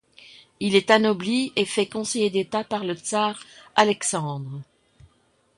Il est anobli et fait conseiller d'État par le tsar Alexandre.